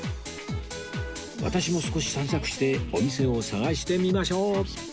私も少し散策してお店を探してみましょう